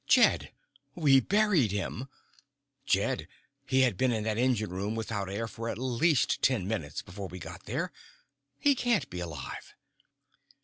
"Jed! We buried him." "Jed. He had been in that engine room without air for at least ten minutes before we got there. He can't be alive."